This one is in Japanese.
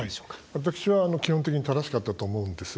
私は基本的に正しかったと思うんです。